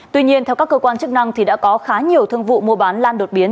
tuy nhiên theo các cơ quan chức năng đã có khá nhiều thương vụ mua bán lan đột biến